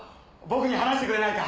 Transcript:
僕に話してくれないか？